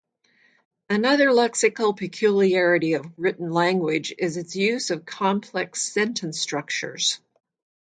Another lexical peculiarity of written language is its use of complex sentence structures.